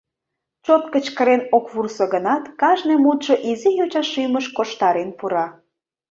Чот кычкырен ок вурсо гынат, кажне мутшо изи йоча шӱмыш корштарен пура.